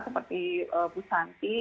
seperti bu santi